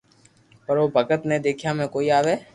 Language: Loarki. پر او ڀگت ني ديکيا ۾ ڪوئي آوي